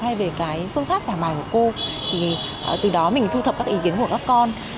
hay về cái phương pháp giả mài của cô thì từ đó mình thu thập các ý kiến của các con